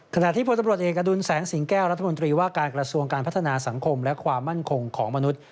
ขณะที่พลตำรวจเอกอดุลแสงสิงแก้วรัฐมนตรีว่าการกระทรวงการพัฒนาสังคมและความมั่นคงของมนุษย์